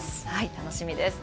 楽しみです。